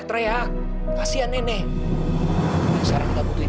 kamu boleh balas sama saya sentuh sentuh gak apa apa saya gak peduli